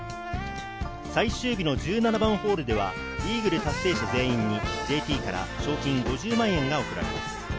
最終日の１７番ホールでは、イーグル達成者全員にＪＴから賞金５０万円が贈られます。